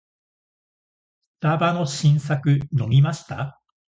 スタバの新作飲みました？